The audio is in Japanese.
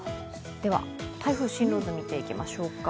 台風進路図見ていきましょうか。